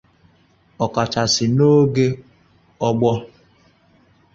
ọ kachasị n'oge gboo